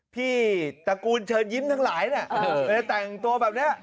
ตระกูลเชิญยิ้มทั้งหลายแต่งตัวแบบนี้